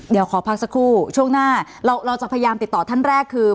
เดี๋ยวขอพักสักครู่ช่วงหน้าเราจะพยายามติดต่อท่านแรกคือ